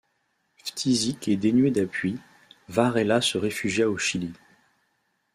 Phtisique et dénué d’appui, Varela se réfugia au Chili.